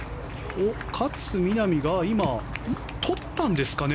勝みなみがとったんですかね？